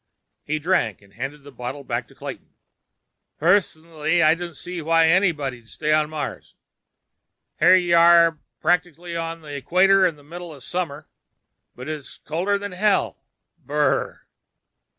He drank, and handed the bottle back to Clayton. "Pers nally, I don't see why anybody'd stay on Mars. Here y'are, practic'ly on the equator in the middle of the summer, and it's colder than hell. Brrr!